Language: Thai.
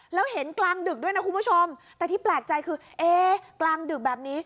แล้วเห็นกลางดึกด้วยนะคุณผู้ชมแต่ที่แปลกใจคือเอ๊ะกลางดึกแบบนี้